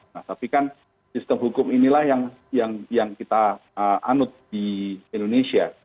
nah tapi kan sistem hukum inilah yang kita anut di indonesia